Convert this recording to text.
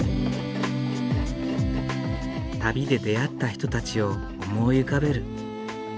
旅で出会った人たちを思い浮かべる。